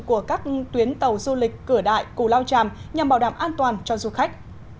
của các tuyến tàu du lịch cửa đại cù lao tràm nhằm bảo đảm an toàn cho du khách